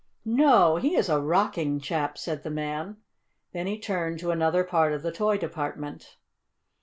"No, he is a rocking chap," said the man. Then he turned to another part of the toy department.